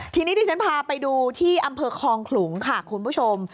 ทีนี้ที่ฉันพาไปดูที่อำเภอคลองขลุงค่ะคุณผู้ชม